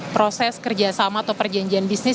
proses kerjasama atau perjanjian bisnis